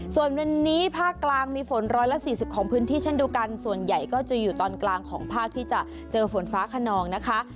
ส่วนวันนี้ภาคกลางมีฝน๑๔๐ของพื้นที่เช่นเดียวกันส่วนใหญ่ก็จะอยู่ตอนกลางของภาคที่จะเจอฝนฟ้าขนองนะคะ